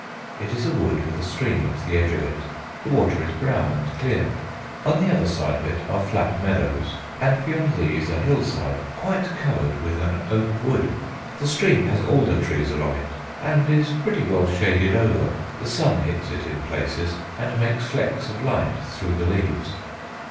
It is a wood with a stream at the edge of it; the water is brown and clear. On the other side of it are flat meadows, and beyond these a hillside quite covered with an oak wood. The stream has alder trees along it, and is pretty well shaded over; the sun hits it in places and makes flecks of light through the leaves.